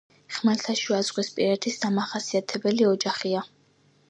ხმელთაშუაზღვისპირეთის დამახასიათებელი ოჯახია.